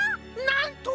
なんと！